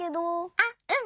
あっうん。